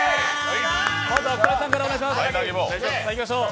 まずは草薙さんからお願いします。